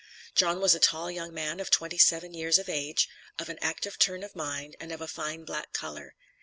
John was a tall young man, of twenty seven years of age, of an active turn of mind and of a fine black color.